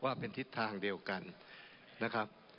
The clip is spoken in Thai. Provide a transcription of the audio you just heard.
ว่าเป็นทิศทางเดียวกันนะครับ